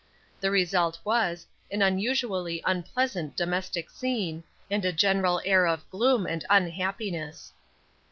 The result was, an unusually unpleasant domestic scene, and a general air of gloom and unhappiness.